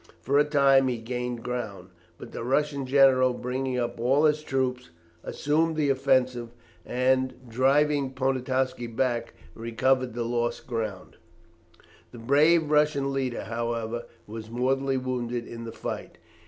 For a time he gained ground, but the Russian general, bringing up all his troops, assumed the offensive, and, driving Poniatowski back, recovered the lost ground. The brave Russian leader, however, was mortally wounded in the fight.